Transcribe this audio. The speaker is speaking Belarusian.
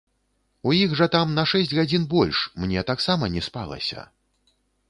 У іх жа там на шэсць гадзін больш, мне таксама не спалася.